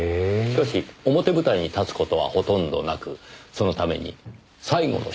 しかし表舞台に立つ事はほとんどなくそのために最後の淑女と呼ばれています。